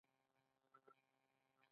یا به هغوی له سیالۍ لاس اخیست